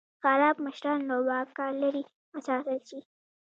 خراب مشران له واکه لرې وساتل شي.